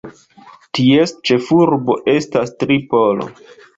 Ties ĉefurbo estas Tripolo.